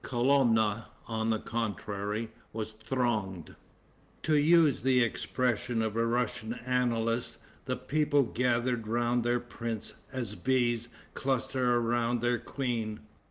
Kolomna, on the contrary, was thronged. To use the expression of a Russian annalist, the people gathered around their prince as bees cluster around their queen.